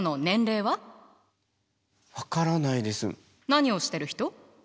何をしてる人？